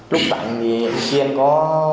lúc rằng thì anh duyên có